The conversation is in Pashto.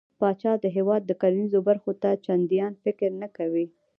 پاچا د هيواد کرنېزو برخو ته چنديان فکر نه کوي .